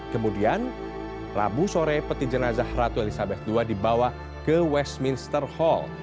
kemudian rabu sore peti jenazah ratu elizabeth ii dibawa ke westminster hall